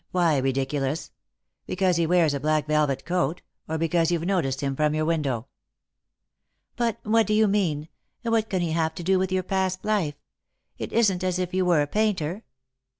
Why ridiculous ? Because he wears a black velvet coat, or because you've noticed him from your window ?"" But what do you mean, and what can he have to do with your past life ? It isn't as if you were a painter."